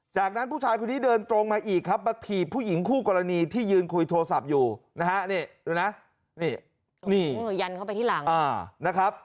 จากนั้นผู้ชายคนนี้เดินตรงมาอีกครับมาถีบผู้หญิงคู่กรณีที่ยืนคุยโทรศัพท์อยู่นะฮะ